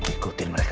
aku ikutin mereka